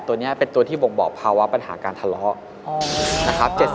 ๗๔๘ตัวนี้คือตัวที่บ่งบอกเภาว่าปัญหาการทะเลาะ